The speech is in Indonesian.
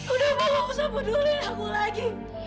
udah mau aku sabun dulu ya aku lagi